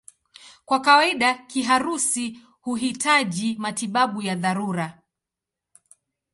Kwa kawaida kiharusi huhitaji matibabu ya dharura.